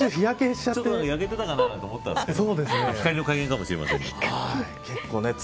ちょっと焼けてたかなと思ったんですけど光の加減かもしれませんが。